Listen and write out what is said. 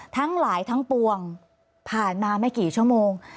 ทั้งหลายทั้งปวงผ่านมาไม่กี่ชั่วโมง